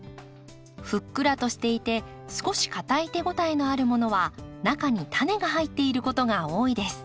ふっくらとしていて少し硬い手応えのあるものは中にタネが入っていることが多いです。